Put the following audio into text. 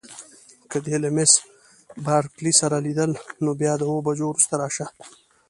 که دې له میس بارکلي سره لیدل نو بیا د اوو بجو وروسته راشه.